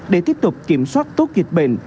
để tiếp tục kiểm soát tốt dịch bệnh